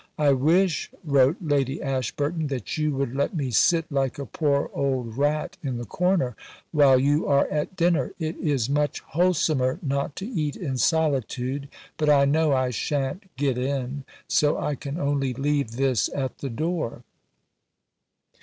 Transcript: "I wish," wrote Lady Ashburton, "that you would let me sit like a poor old rat in the corner, while you are at dinner; it is much wholesomer not to eat in solitude; but I know I shan't get in, so I can only leave this at the door."